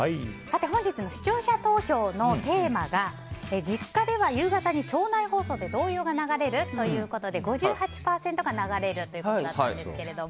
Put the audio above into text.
本日の視聴者投票のテーマが実家では夕方に町内放送で童謡が流れる？ということで５８％が流れるということだったんですけれども。